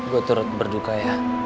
gue turut berduka ya